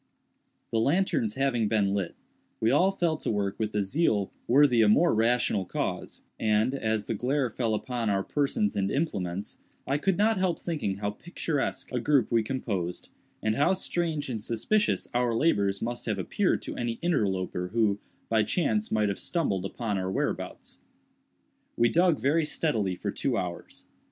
The lanterns having been lit, we all fell to work with a zeal worthy a more rational cause; and, as the glare fell upon our persons and implements, I could not help thinking how picturesque a group we composed, and how strange and suspicious our labors must have appeared to any interloper who, by chance, might have stumbled upon our whereabouts. We dug very steadily for two hours.